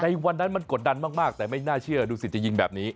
วันนั้นมันกดดันมากแต่ไม่น่าเชื่อดูสิตจะยิงแบบนี้